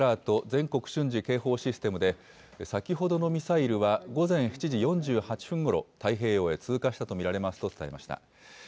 ・全国瞬時警報システムで、先ほどのミサイルは午前７時４８分ごろ、太平洋へ通過したと見られますと伝えました。